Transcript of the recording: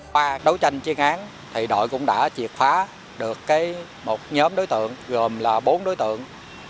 qua đấu tranh chiến án thì đội cũng đã triệt phá được một nhóm đối tượng gồm là bốn đối tượng